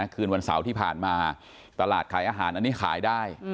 คืนวันเสาร์ที่ผ่านมาตลาดขายอาหารอันนี้ขายได้